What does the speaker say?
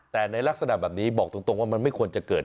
แต่ในลักษณะแบบนี้บอกตรงว่ามันไม่ควรจะเกิด